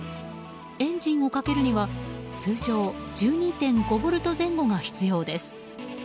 エンジンをかけるには、通常１２．５ボルト前後が必要です。